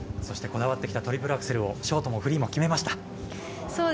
こだわってきたトリプルアクセルをショート、フリー共に決めました。